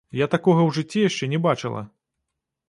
Я такога ў жыцці яшчэ не бачыла!